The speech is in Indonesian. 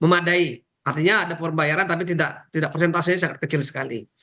memadai artinya ada pembayaran tapi tidak persentasenya sangat kecil sekali